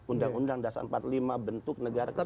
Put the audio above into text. undang undang dasar empat puluh lima bentuk negara kesatu